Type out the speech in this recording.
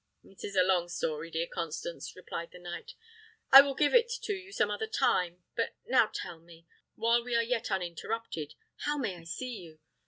"It is a long story, dear Constance," replied the knight; "I will give it you some other time; but now tell me, while we are yet uninterrupted, how may I see you?